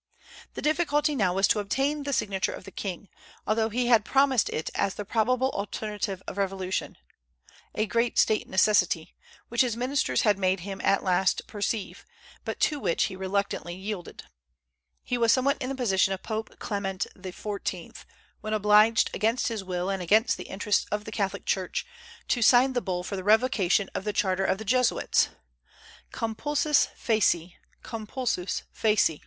The difficulty now was to obtain the signature of the king, although he had promised it as the probable alternative of revolution, a great State necessity, which his ministers had made him at last perceive, but to which he reluctantly yielded. He was somewhat in the position of Pope Clement XIV. when obliged, against his will and against the interests of the Catholic Church, to sign the bull for the revocation of the charter of the Jesuits. _Compulsus feci! compulsus feci!